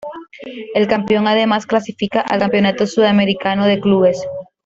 El campeón además clasifica al Campeonato Sudamericano de Clubes.